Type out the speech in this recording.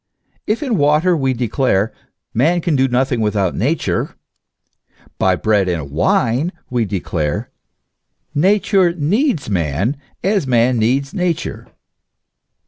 If in water we declare : man can do nothing without Nature ; by bread and wine we declare : Nature needs man, as man needs Nature.